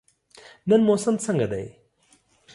نن موسم څنګه دی؟